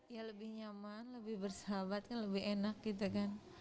ya lebih nyaman lebih bersahabat kan lebih enak gitu kan